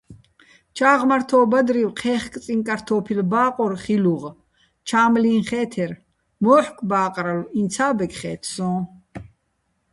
ჩა́ღმართო́ ბადრივ ჴე́ხკწიჼ კართო́ფილ ბა́ყორ ხილუღ, ჩა́მლიჼ ხე́თერ, მო́ჰ̦კ ბა́ყრალო̆, ინცა́ ბეკხე́თ სო́ჼ.